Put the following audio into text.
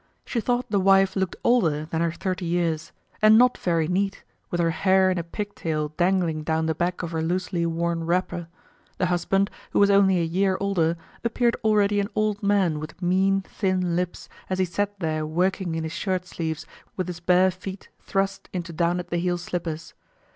She thought the wife looked older than her thirty years and not very neat with her hair in a pigtail dangling down the back of her loosely worn wrapper. The husband, who was only a year older, appeared already an old man with mean, thin lips, as he sat there working in his shirt sleeves with his bare feet thrust into down at the heel slippers.